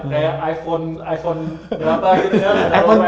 kayak iphone iphone berapa gitu ya